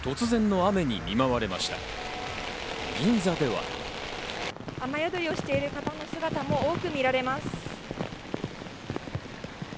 雨宿りしてる方の姿も見られます。